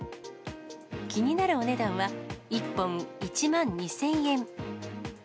気になるお値段は、１本１万２０００円。